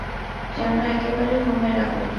যেন একেবারে হোমের আগুন।